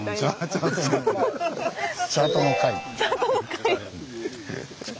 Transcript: チャートの会！